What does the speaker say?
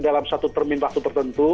dalam satu termin waktu tertentu